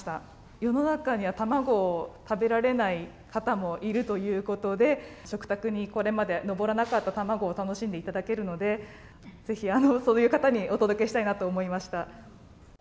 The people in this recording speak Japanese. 世の中には、卵を食べられない方もいるということで、食卓にこれまで上らなかった卵を楽しんでいただけるので、ぜひそういう方にお届けしたいなと思いました。